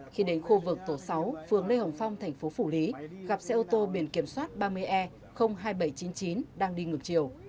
khi đến khu vực tổ sáu phường lê hồng phong thành phố phủ lý gặp xe ô tô biển kiểm soát ba mươi e hai nghìn bảy trăm chín mươi chín đang đi ngược chiều